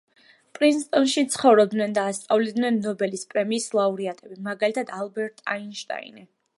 პრინსტონში ცხოვრობდნენ და ასწავლიდნენ ნობელის პრემიის ლაურეატები, მაგალითად ალბერტ აინშტაინი.